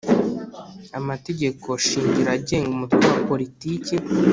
Amategeko shingiro agenga umutwe wa politiki